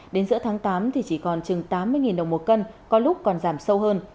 đến giữa tháng tám thì chỉ còn chừng tám mươi đồng một cân có lúc còn giảm sâu hơn